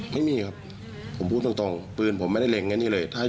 ไม่มีครับผมพูดตรงมันไม่ได้เล็งอย่างนี้เลยถ้าอยู่